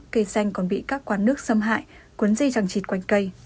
cây xanh còn bị các quán nước xâm hại cuốn di chẳng chịt quanh cây